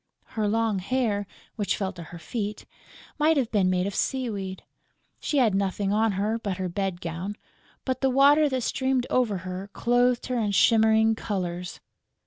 Her long hair, which fell to her feet, might have been made of sea weed. She had nothing on but her bed gown; but the water that streamed over her clothed her in shimmering colours.